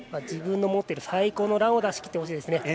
自分の持っている最高のランを出し切ってほしいですね。